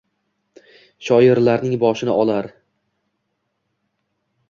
Shoirlarning boshini olar.